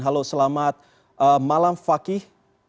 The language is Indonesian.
halo selamat malam fakih